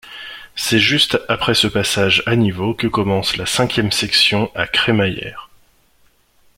C'est juste après ce passage à niveau que commence la cinquième section à crémaillère.